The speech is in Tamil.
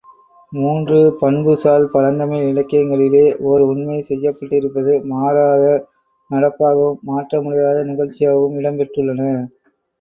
மூன்று பண்புசால் பழந்தமிழ் இலக்கியங்களிலே ஓர் உண்மை செப்பப்பட்டிருப்பது மாறாத நடப்பாகவும் மாற்றமுடியாத நிகழ்ச்சியாகவும் இடம் பெற்றுள்ளன.